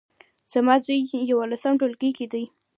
زما زوی په يولسم ټولګي کې دی